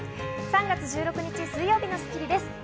３月１６日、水曜日の『スッキリ』です。